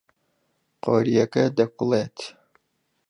قۆریەکە دەکوڵێت.